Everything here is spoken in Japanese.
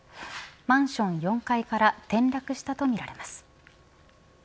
マンション４階から転落したとみられます。